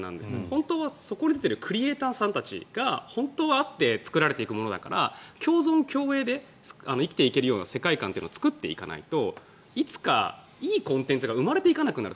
本当はそこに出ているクリエーターさんたちが本当はあって作られていくものだから共存共栄で生きていけるような世界観というのを作っていかないといつか、いいコンテンツが生まれていかなくなる。